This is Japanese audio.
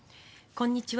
こんにちは。